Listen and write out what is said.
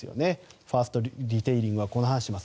ファーストリテイリングはこう話しています。